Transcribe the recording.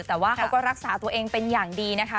แต่ว่าเขาก็รักษาตัวเองเป็นอย่างดีนะคะ